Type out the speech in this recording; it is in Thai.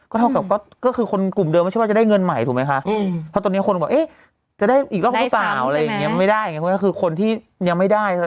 เท่ากับก็คือคนกลุ่มเดิมไม่ใช่ว่าจะได้เงินใหม่ถูกไหมคะเพราะตอนนี้คนบอกเอ๊ะจะได้อีกรอบหรือเปล่าอะไรอย่างนี้ไม่ได้ไงก็คือคนที่ยังไม่ได้